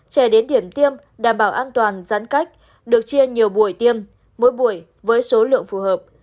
trẻ đến điểm tiêm đảm bảo an toàn giãn cách được chia nhiều buổi tiêm mỗi buổi với số lượng phù hợp